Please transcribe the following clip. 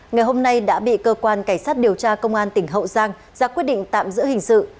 ngày hôm nay đã bị cơ quan cảnh sát điều tra công an tỉnh hậu giang ra quyết định tạm giữ hình sự